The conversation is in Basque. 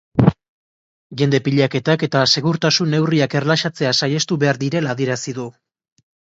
Jende pilaketak eta segurtasun-neurriak erlaxatzea saihestu behar direla adierazi du.